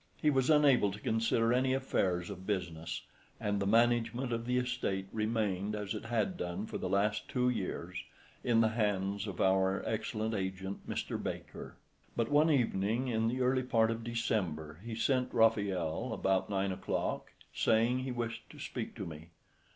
He was unable to consider any affairs of business, and the management of the estate remained as it had done for the last two years in the hands of our excellent agent, Mr. Baker. But one evening in the early part of December he sent Raffaelle about nine o'clock, saying he wished to speak to me.